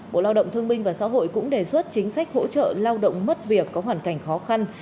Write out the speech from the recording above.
bộ lao động thương minh và xã hội cũng đề xuất chính sách hỗ trợ lao động mất việc có hoàn cảnh khó khăn